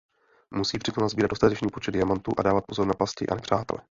Musí přitom nasbírat dostatečný počet diamantů a dávat pozor na pasti a nepřátele.